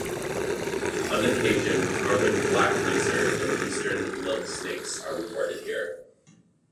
On occasion northern "black" racer and eastern milksnakes are reported here.